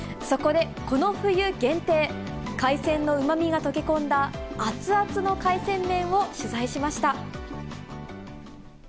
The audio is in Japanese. そこで、この冬限定、海鮮のうまみが溶け込んだ熱々の海鮮麺を取材しました。